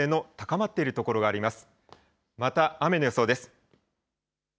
また、雨の予想です。